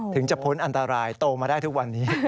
ถึงจะพ้นอันตรายโตมาได้ทุกวันนี้